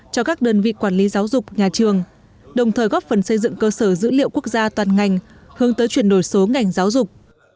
cho các đơn vị quản lý giáo dục nhà trường đồng thời góp phần xây dựng cơ sở dữ liệu quốc gia toàn ngành hướng tới chuyển đổi số ngành giáo dục